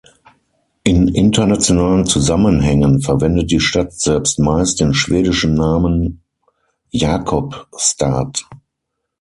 In internationalen Zusammenhängen verwendet die Stadt selbst meist den schwedischen Namen Jakobstad.